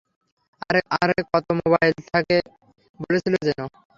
আরে কতো মোবাইল থাকে বলেছিল, যেন?